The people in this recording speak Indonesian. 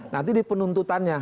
nanti di penuntutannya